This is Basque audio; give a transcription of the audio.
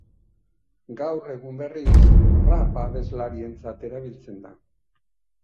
Gaur egun, berriz, rap abeslarientzat erabiltzen da.